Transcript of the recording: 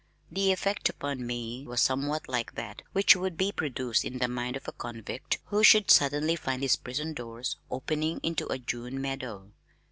The effect upon me was somewhat like that which would be produced in the mind of a convict who should suddenly find his prison doors opening into a June meadow.